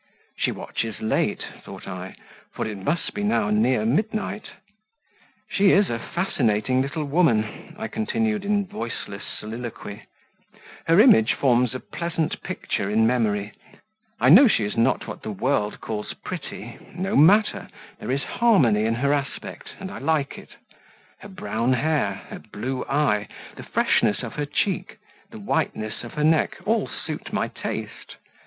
"She watches late," thought I, "for it must be now near midnight. She is a fascinating little woman," I continued in voiceless soliloquy; "her image forms a pleasant picture in memory; I know she is not what the world calls pretty no matter, there is harmony in her aspect, and I like it; her brown hair, her blue eye, the freshness of her cheek, the whiteness of her neck, all suit my taste.